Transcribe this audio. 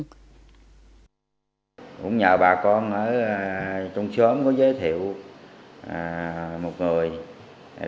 thầy đối tượng hứa hẹn người đàn ông này tiếp tục nhận giúp đỡ hứa hẹn sẽ xin việc vào ngành công an